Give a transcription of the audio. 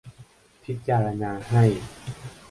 พิจารณาให้